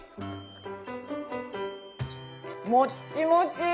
もっちもち！